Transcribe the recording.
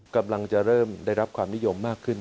กำลังจะเริ่มได้รับความนิยมมากขึ้น